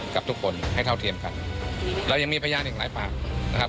กับทุกคนให้เท่าเทียมกันเรายังมีพยานอีกหลายปากนะครับ